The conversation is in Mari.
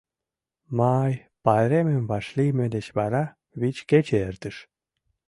Май пайремым вашлийме деч вара вич кече эртыш.